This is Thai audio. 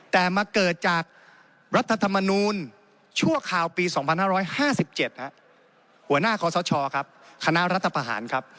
แต่มาเกิดจากรัฐธรรมนูลชั่วคราวปี๒๕๕๗หัวหน้าคอสชครับคณะรัฐประหารครับ